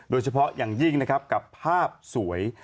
โดยเฉพาะอย่างยิ่งนะครับกับภาพสวย